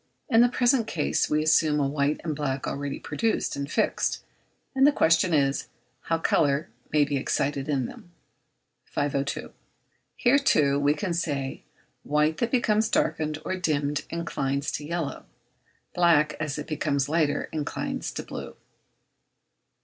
In the present case we assume a white and black already produced and fixed; and the question is, how colour can be excited in them? 502. Here, too, we can say, white that becomes darkened or dimmed inclines to yellow; black, as it becomes lighter, inclines to blue.